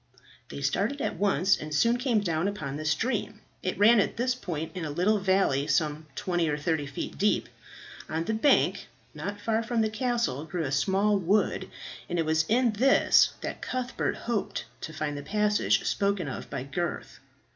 They started at once and soon came down upon the stream. It ran at this point in a little valley, some twenty or thirty feet deep. On the bank not far from the castle grew a small wood, and it was in this that Cuthbert hoped to find the passage spoken of by Gurth.